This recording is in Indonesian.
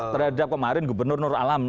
terhadap kemarin gubernur nur alam